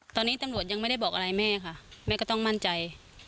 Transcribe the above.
ตอนนี้ตำรวจยังไม่ได้บอกอะไรแม่ค่ะแม่ก็ต้องมั่นใจ